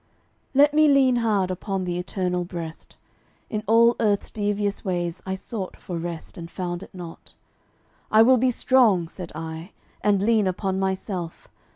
Let me lean hard upon the Eternal Breast: In all earth's devious ways I sought for rest And found it not. I will be strong, said I, And lean upon myself.